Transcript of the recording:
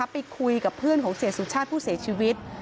ไปคุยกับเพื่อนของเสียสุชาติผู้เสียชีวิต